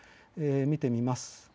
見てみます。